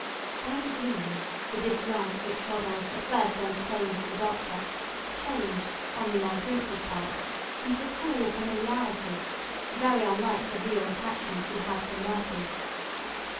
By degrees the dislike which Rodolph at first entertained for the doctor changed, on the young prince's part, into a cool familiarity, very unlike the real attachment he had for Murphy.